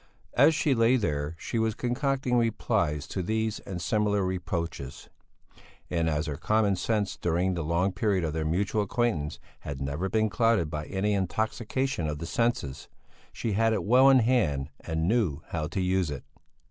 As she lay there she was concocting replies to these and similar reproaches; and as her common sense during the long period of their mutual acquaintance had never been clouded by any intoxication of the senses, she had it well in hand and knew how to use it.